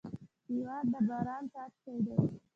هېواد د باران څاڅکی دی.